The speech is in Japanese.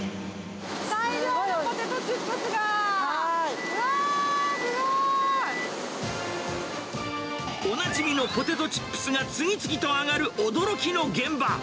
大量のポテトチップスが、わー、すごい！おなじみのポテトチップスが次々と揚がる驚きの現場。